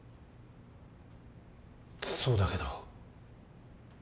そうだけどでも。